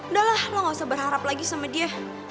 udahlah lo gak usah berharap lagi sama dia